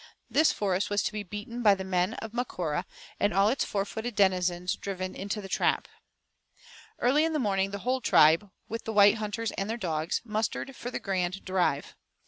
This forest was to be "beaten" by the men of Macora, and all its four footed denizens driven into the trap. Early in the morning the whole tribe, with the white hunters and their dogs, mustered for the grand drive.